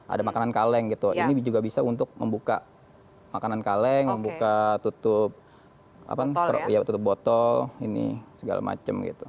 ada makanan kaleng gitu ini juga bisa untuk membuka makanan kaleng membuka tutup botol ini segala macam gitu